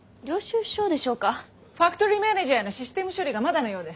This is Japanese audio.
ファクトリーマネージャーのシステム処理がまだのようです。